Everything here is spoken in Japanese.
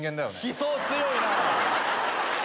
思想強いな！